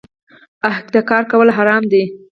احتکار کول حرام دي